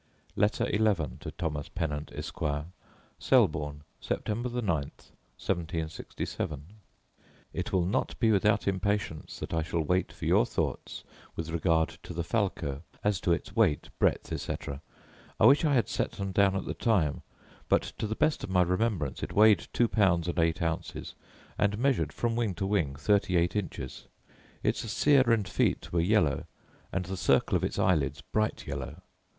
Letter XI To Thomas Pennant, Esquire Selborne, September 9, 1767. It will not be without impatience, that I shall wait for your thoughts with regard to the falco; as to its weight, breadth, etc., I wish I had set them down at the time; but, to the best of my remembrance, it weighed two pounds and eight ounces, and measured, from wing to wing, thirty eight inches. Its cere and feet were yellow, and the circle of its eyelids bright yellow.